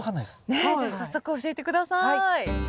ねっじゃあ早速教えて下さい。